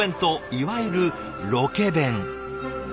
いわゆるロケ弁。